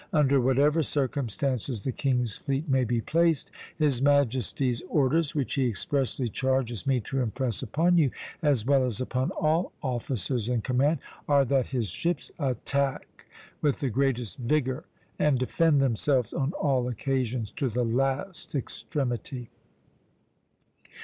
Under whatever circumstances the king's fleet may be placed, his Majesty's orders, which he expressly charges me to impress upon you, as well as upon all officers in command, are that his ships attack with the greatest vigor, and defend themselves, on all occasions, to the last extremity."